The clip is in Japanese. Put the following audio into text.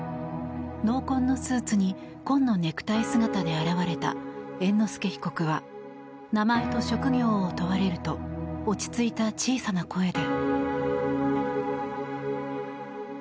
濃紺のスーツに紺のネクタイ姿で現れた猿之助被告は名前と職業を問われると落ち着いた小さな声で。